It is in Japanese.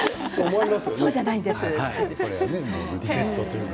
そうじゃないんですって。